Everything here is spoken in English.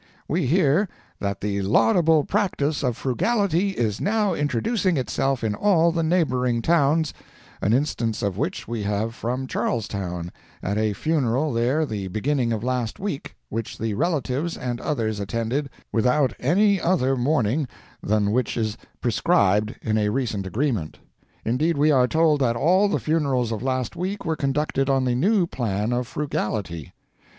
"We hear that the laudable practice of frugality is now introducing itself in all the neighboring towns, an instance of which we have from Charlestown, at a funeral there the beginning of last week, which the relatives and others attended without any other mourning than which is prescribed in a recent agreement. "Indeed we are told that all the funerals of last week were conducted on the new Plan of Frugality.